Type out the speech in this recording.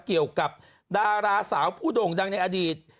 เกี่ยวกับดาราสาวผู้โด่งดังในอดีต